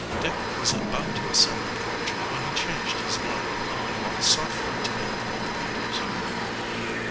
Dick was about to ascend the porch, when he changed his mind and walked softly to one of the windows.